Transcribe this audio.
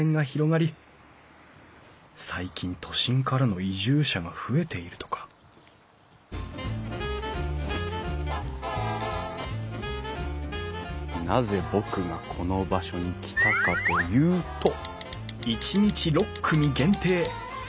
最近都心からの移住者が増えているとかなぜ僕がこの場所に来たかというと。